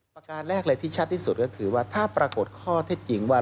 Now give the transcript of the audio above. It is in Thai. ขังการแรกเลยเช็ดที่สุดคือว่าถ้าปรากฏข้อที่จริงนะว่า